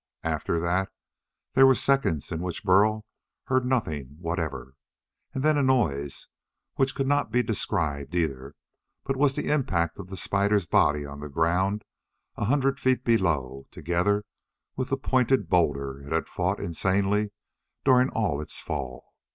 After that, there were seconds in which Burl heard nothing whatever and then a noise which could not be described either, but was the impact of the spider's body on the ground a hundred feet below, together with the pointed boulder it had fought insanely during all its fall.